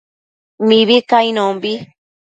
Mibi cainonbi